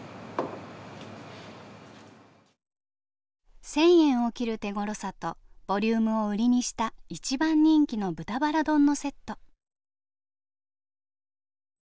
１，０００円を切る手ごろさとボリュームを売りにした一番人気の豚バラ丼のセット。